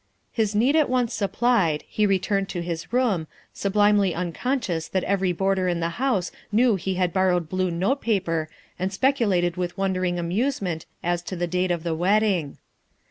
His need at once supplied, he returned to his room, sublimely unconscious that every boarder in the house knew he had borrowed blue note paper and speculated with wondering amusement as to the date of the wedding.